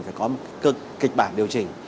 phải có một kịch bản điều chỉnh